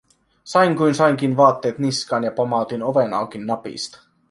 Sain kuin sainkin vaatteet niskaan ja pamautin oven auki napista.